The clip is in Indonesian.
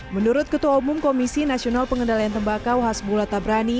menurut ketua umum komisi nasional pengendalian tembaka wahas bula tabrani